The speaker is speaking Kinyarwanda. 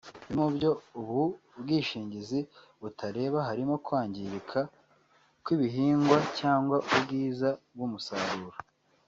Bimwe mu byo ubu bwishingiza butareba harimo kwangirika kw’ibihingwa cyangwa ubwiza bw’umusaruro